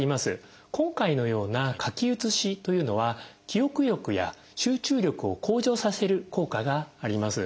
今回のような書き写しというのは記憶力や集中力を向上させる効果があります。